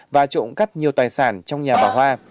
và trộm cắp nhiều tài sản trong nhà bà hoa